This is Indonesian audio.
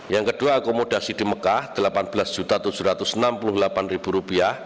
yang kedua akomodasi di mekah rp delapan belas tujuh ratus enam puluh delapan